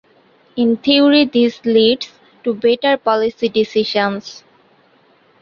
In theory this leads to better policy decisions.